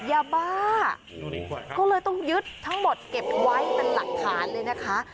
ยาบ้าก็เลยต้องยึดทั้งหมดเก็บไว้เป็นหลักฐานเลยนะคะ